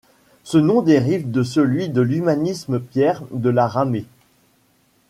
Ce nom dérive de celui de l'humaniste Pierre de La Ramée.